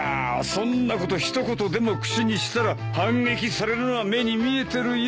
そんなこと一言でも口にしたら反撃されるのは目に見えてるよ。